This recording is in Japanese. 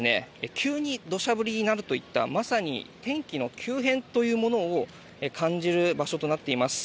急に土砂降りになるといったまさに天気の急変というものを感じる場所となっています。